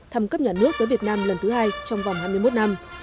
thăm cấp nhà nước tới việt nam lần thứ hai trong vòng hai mươi một năm